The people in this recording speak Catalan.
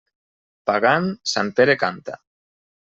Pagant, sant Pere canta.